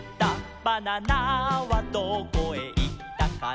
「バナナはどこへいったかな」